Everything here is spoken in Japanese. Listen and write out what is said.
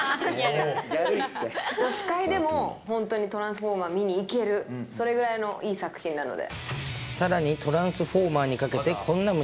女子会でも本当にトランスフォーマー見に行ける、それぐらいのいい作品なので。